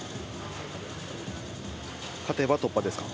勝てば突破ですか。